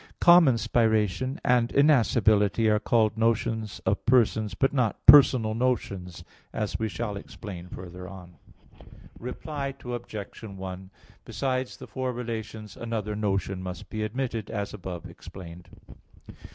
"Common spiration" and "innascibility" are called notions of Persons, but not personal notions, as we shall explain further on (Q. 40, A. 1, ad 1). Reply Obj. 1: Besides the four relations, another notion must be admitted, as above explained.